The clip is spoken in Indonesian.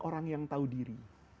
orang yang tahu diri